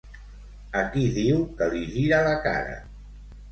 A qui diu que li gira la cara?